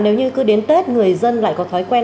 nếu như cứ đến tết người dân lại có thói quen